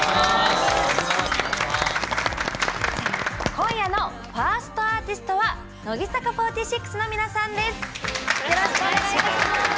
今夜のファーストアーティストは乃木坂４６の皆さんです。